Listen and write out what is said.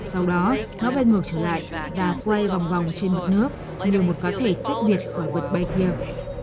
sau đó nó bay ngược trở lại và quay vòng vòng trên mặt nước như một có thể tích biệt của vật bay thiêng